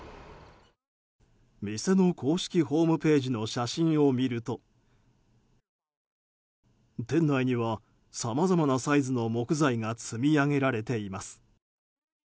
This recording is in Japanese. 店の公式ホームページの写真を見ると店内にはさまざまなサイズの木材が積み上げられています。